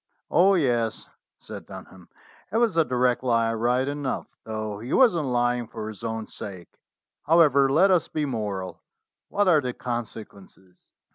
"Oh, yes," said Dunham, "it was a direct lie right enough, though he wasn't lying for his own sake. However, let us be moral. What are the conse quences